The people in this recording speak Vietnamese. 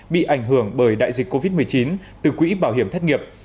bị ảnh hưởng bởi đại dịch covid một mươi chín từ quỹ bảo hiểm thất nghiệp